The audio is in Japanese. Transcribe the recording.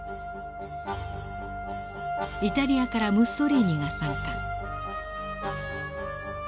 イタリアからムッソリーニが参加。